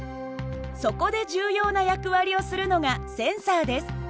そこで重要な役割をするのがセンサーです。